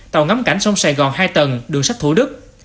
tàu ngắm cảnh sông sài gòn hai tầng đường sách thủ đức